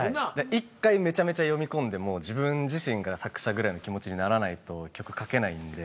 １回めちゃめちゃ読み込んでもう自分自身が作者ぐらいの気持ちにならないと曲書けないんで。